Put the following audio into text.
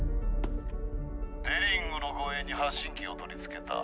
デリングの護衛に発信機を取り付けた。